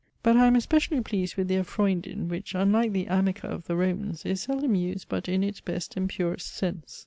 But I am especially pleased with their Freundinn, which, unlike the amica of the Romans, is seldom used but in its best and purest sense.